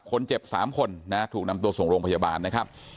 คนเจ็บ๓คนนะถูกนำตัวส่งโรงพยาบาลนะครับ